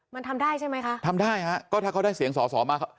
มันทำได้ใช่ไหมคะทำได้ฮะก็ถ้าเขาได้เสียงสอสอมา